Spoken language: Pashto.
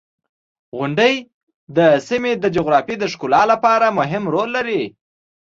• غونډۍ د سیمې د جغرافیې د ښکلا لپاره مهم رول لري.